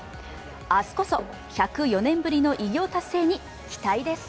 明日こそ１０４年ぶりの偉業達成に期待です。